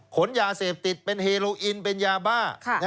ขนยาเสพติดเป็นเฮโลอินเป็นยาบ้า